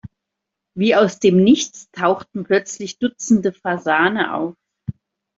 Wie aus dem Nichts tauchten plötzlich dutzende Fasane auf.